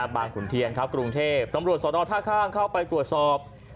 ขุนเทียนครับกรุงเทพตำรวจสนท่าข้างเข้าไปตรวจสอบ